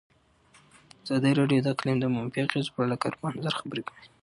ازادي راډیو د اقلیم د منفي اغېزو په اړه له کارپوهانو سره خبرې کړي.